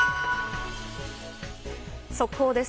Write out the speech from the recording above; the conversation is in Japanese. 速報です。